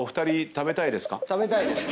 食べたいです。